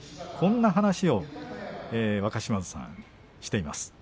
こんな話をしています。